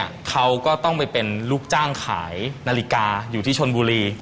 เขาก็ต้องไปเป็นลูกจ้างขายนาฬิกาอยู่ที่ชนบุรี